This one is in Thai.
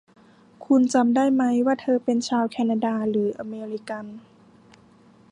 คุณจำได้ไหมว่าเธอเป็นชาวแคนาดาหรืออเมริกัน